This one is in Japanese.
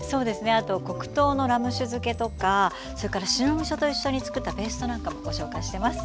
あと黒糖のラム酒漬けとかそれから白みそと一緒につくったペーストなんかもご紹介してます。